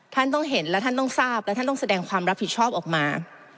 ท่านต้องเห็นและท่านต้องทราบและท่านต้องแสดงความรับผิดชอบออกมา